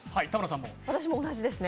私も同じですね。